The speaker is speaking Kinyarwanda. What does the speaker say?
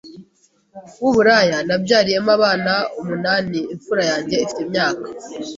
w’uburaya nabyariyemo abana umunani imfura yanjye ifite imyaka